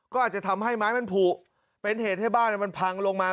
ก็อาจจะทำให้ไม้มันผูกเป็นเหตุให้บ้านมันพังลงมา